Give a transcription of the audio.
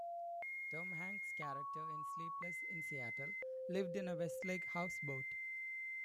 Tom Hanks's character in "Sleepless in Seattle" lived in a Westlake houseboat.